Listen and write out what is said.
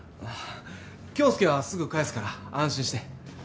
恭介はすぐ帰すから安心して。